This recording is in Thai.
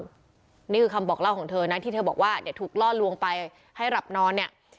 นี่คือคำบอกเล่าของเธอนะที่เธอบอกว่าเดี๋ยวถูกล่อลวงไปให้หลับนอนเนี่ย